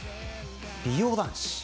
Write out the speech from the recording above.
美容男子。